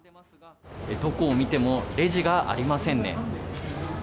どこを見ても、レジがありませんね。